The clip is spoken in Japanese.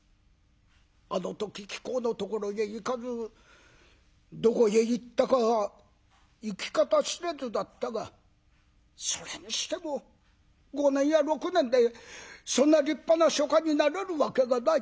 あの時貴公のところへ行かずどこへ行ったか行き方知れずだったがそれにしても５年や６年でそんな立派な書家になれるわけがない」。